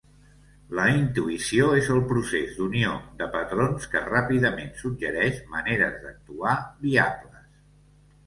La intuïció és el procés d'unió de patrons que ràpidament suggereix maneres d'actuar viables.